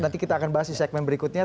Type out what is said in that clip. nanti kita akan bahas di segmen berikutnya